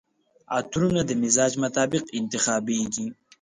عطرونه د مزاج مطابق انتخابیږي.